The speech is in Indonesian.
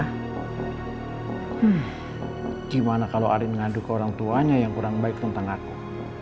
hmm gimana kalau arin mengadu ke orang tuanya yang kurang baik tentang aku